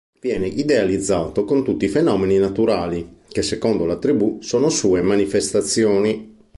Viene idealizzato con tutti i fenomeni naturali, che secondo la tribù sono sue manifestazioni.